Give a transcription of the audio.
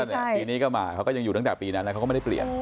ปีนี้ก็มาเขาก็ยังอยู่ตั้งแต่ปีนั้นแล้วเขาก็ไม่ได้เปลี่ยน